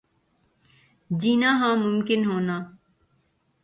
جینا ہاں ممکن ہونا